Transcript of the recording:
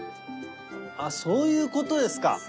あそういうことですか。